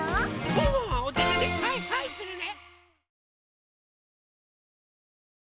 ワンワンはおててではいはいするね！